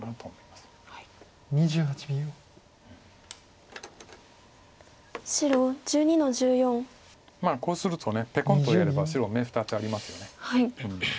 まあこうするとペコンとやれば白眼２つありますよね。